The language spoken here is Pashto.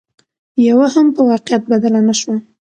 يوه هم په واقعيت بدله نشوه